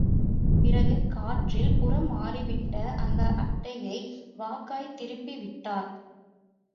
பிறகு, காற்றில் புறம் மாறிவிட்ட அந்த அட்டையை வாகாய்த் திருப்பி விட்டார்.